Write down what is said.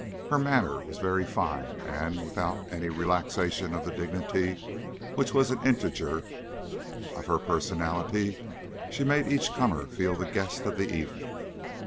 Her manner was very fine, and, without any relaxation of the dignity which was an integer of her personality, she made each comer feel the guest of the evening.